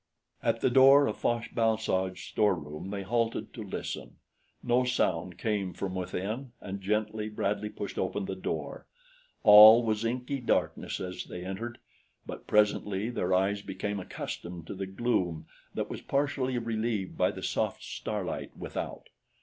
At the door of Fosh bal soj's storeroom they halted to listen. No sound came from within, and gently Bradley pushed open the door. All was inky darkness as they entered; but presently their eyes became accustomed to the gloom that was partially relieved by the soft starlight without.